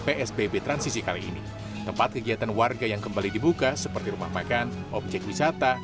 psbb transisi kali ini tempat kegiatan warga yang kembali dibuka seperti rumah makan objek wisata